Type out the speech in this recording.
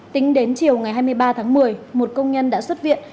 tính đến chiều ngày hai mươi ba tháng một mươi một công nhân đã xuất viện